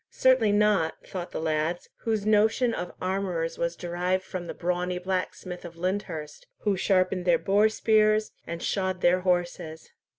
"Certainly not," thought the lads, whose notion of armourers was derived from the brawny blacksmith of Lyndhurst, who sharpened their boar spears and shod their horses.